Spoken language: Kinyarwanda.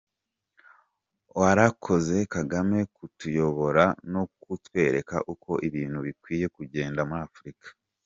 Warakoze Kagame kutuyobora no kutwereka uko ibintu bikwiye kugenda muri Afurika.